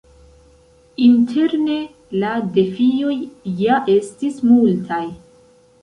Interne, la defioj ja estis multaj.